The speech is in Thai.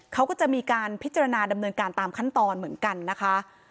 เขาก็จะมีการพิจารณาดำเนินการตามขั้นตอนเหมือนกันนะคะ